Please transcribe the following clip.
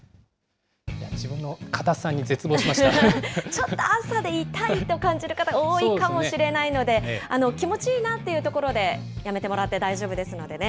ちょっと朝で痛いと感じる方が多いかもしれないので、気持ちいいなっていうところでやめてもらって大丈夫ですのでね。